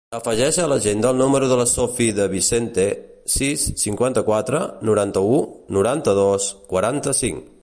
Afegeix a l'agenda el número de la Sophie De Vicente: sis, cinquanta-quatre, noranta-u, noranta-dos, quaranta-cinc.